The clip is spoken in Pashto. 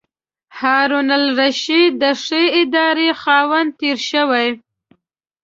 هارون الرشید د ښې ادارې خاوند تېر شوی.